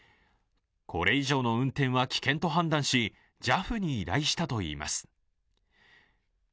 これ以上の運転は危険と判断し、ＪＡＦに依頼したといいます。